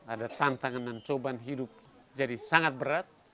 ada tantangan dan cobaan hidup jadi sangat berat